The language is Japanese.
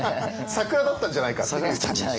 サクラだったんじゃないかと。